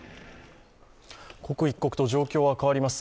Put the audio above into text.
刻一刻と状況は変わります。